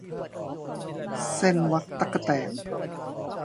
เซ่นวักตั๊กแตน